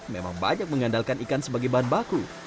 memang banyak mengandalkan ikan sebagai bahan baku